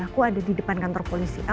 aku ada di depan kantor polisi